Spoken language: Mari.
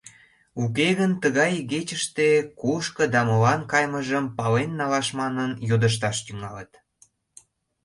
Уке гын, тыгай игечыште кушко да молан кайымыжым пален налаш манын йодышташ тӱҥалыт.